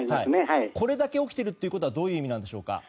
これだけ起きているということはどういう意味になるんでしょうか。